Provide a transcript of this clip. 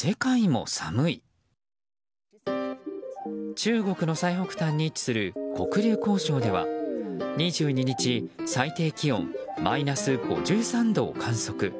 中国の最北端に位置する黒竜江省では２２日、最低気温マイナス５３度を観測。